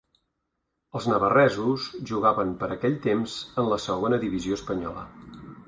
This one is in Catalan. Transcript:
Els navarresos jugaven per aquell temps en la Segona divisió espanyola.